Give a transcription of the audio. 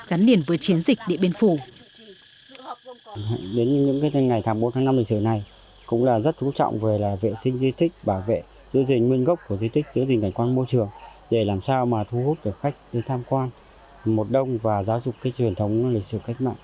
gắn liền với chiến dịch điện biên phủ